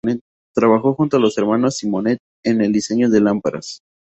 Trabajó junto a los hermanos Simonet en el diseño de lámparas.